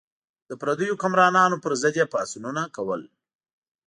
د پردیو حکمرانانو پر ضد یې پاڅونونه کول.